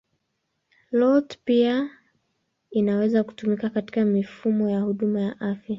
IoT pia inaweza kutumika katika mifumo ya huduma ya afya.